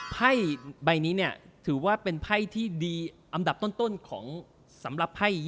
ไพ่ใบนี้เนี่ยถือว่าเป็นไพ่ที่ดีอันดับต้นของสำหรับไพ่๒๐